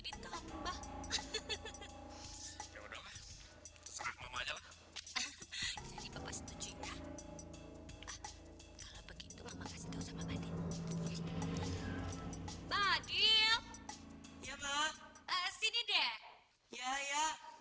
he kau kalau ngomong jangan sembarangan ya